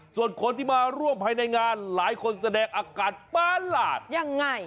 ส่วนคนที่มาร่วมภายในงานหลายคนแสดงอาการประหลาดยังไง